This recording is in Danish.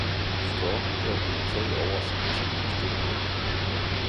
Storken gav hende Tag over sig til hendes Død!